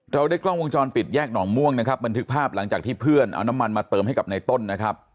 ได้กล้องวงจรปิดแยกหนองม่วงนะครับบันทึกภาพหลังจากที่เพื่อนเอาน้ำมันมาเติมให้กับในต้นนะครับ